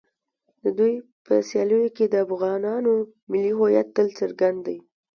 د دوی په سیالیو کې د افغانانو ملي هویت تل څرګند دی.